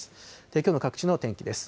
きょうの各地の天気です。